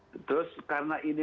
terus karena ini